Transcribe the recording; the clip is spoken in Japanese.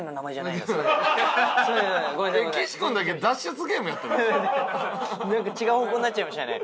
なんか違う方向になっちゃいましたね。